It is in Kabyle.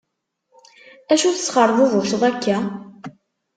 Acu tesxerbubuceḍ akka?